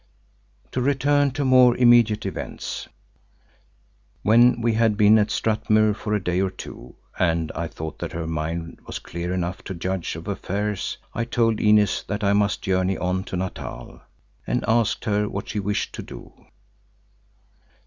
To return to more immediate events. When we had been at Strathmuir for a day or two and I thought that her mind was clear enough to judge of affairs, I told Inez that I must journey on to Natal, and asked her what she wished to do.